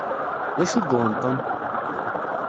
D acu i yuɣen Tom?